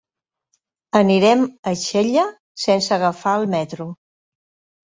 Anirem a Xella sense agafar el metro.